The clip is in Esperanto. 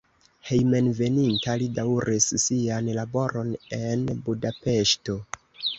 Hejmenveninta li daŭris sian laboron en Budapeŝto.